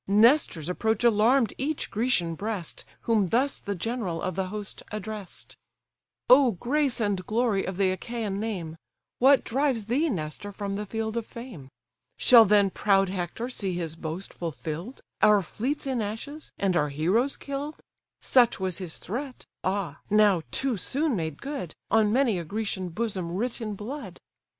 Nestor's approach alarm'd each Grecian breast, Whom thus the general of the host address'd: "O grace and glory of the Achaian name; What drives thee, Nestor, from the field of fame? Shall then proud Hector see his boast fulfill'd, Our fleets in ashes, and our heroes kill'd? Such was his threat, ah! now too soon made good, On many a Grecian bosom writ in blood.